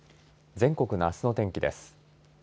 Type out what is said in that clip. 全国のあすの天気です。